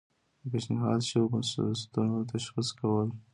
د پیشنهاد شویو بستونو تشخیص کول.